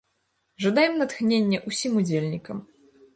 Жадаем натхнення ўсім удзельнікам!